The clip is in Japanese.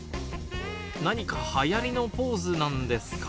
何かはやりのポーズなんですか？